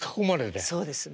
そうです。